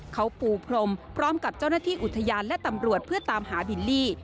เขาปูพรมพร้อมกับเจ้าหน้าที่อุทยานและตำรวจเพื่อตามหาบิลลี่